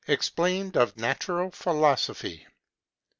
EXPLAINED OF NATURAL PHILOSOPHY.